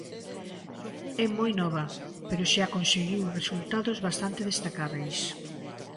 É moi nova, pero xa conseguiu resultados bastante destacábeis.